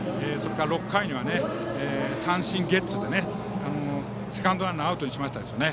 ６回には三振ゲッツーでセカンドランナーをアウトにしましたよね。